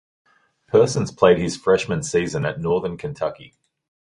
Persons played his freshman season at Northern Kentucky.